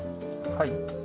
はい。